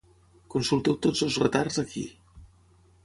Consulteu tots els retards ací.